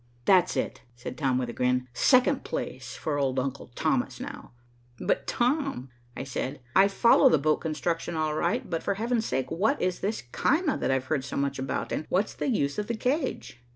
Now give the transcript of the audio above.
"That's it," said Tom with a grin. "Second place for old uncle Thomas now." "But Tom," I said, "I follow the boat construction all right, but for Heaven's sake what is this caema that I've heard so much about, and what's the use of the cage?"